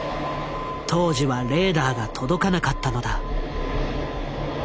当時はレーダーが届かなかったのだ。